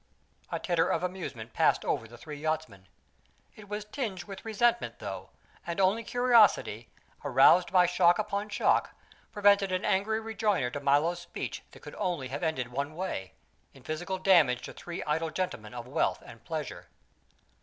A titter of amusement passed over the three yachtsmen. It was tinged with resentment, though, and only curiosity, aroused by shock upon shock, prevented an angry rejoinder to Milo's speech that could only have ended one way: in physical damage to three idle gentlemen of wealth and pleasure.